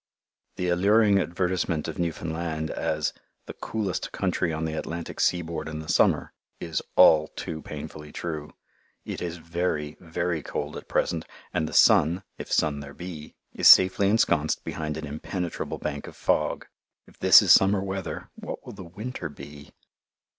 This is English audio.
The alluring advertisement of Newfoundland, as "the coolest country on the Atlantic seaboard in the summer," is all too painfully true. It is very, very cold at present, and the sun, if sun there be, is safely ensconced behind an impenetrable bank of fog. If this is summer weather, what will the winter be!